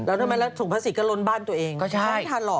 แล้วทำไมแล้วถุงพลาสติกก็ล้นบ้านตัวเองก็ใช่ไม่ทันหรอก